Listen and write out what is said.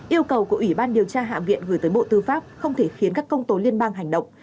yêu cầu của ủy ban điều tra hạ viện gửi tới bộ tư pháp không thể khiến các công tố liên bang hành động